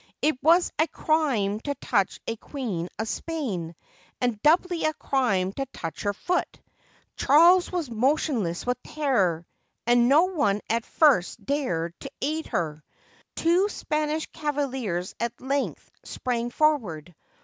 It was a crime to touch a queen of Spain, and doubly a crime to touch her foot. Charles was motionless with terror, and no one at first dared to aid her. Two Spanish cavaliers at length sprang forward.